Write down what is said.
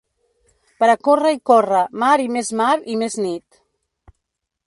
Per a córrer i córrer mar i més mar i més nit.